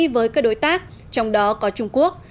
với các đối tác trong đó có trung quốc